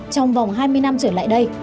trong vòng hai mươi năm trở lại đây